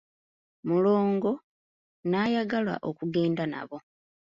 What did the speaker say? Mulongo n'ayagala okugenda nabo.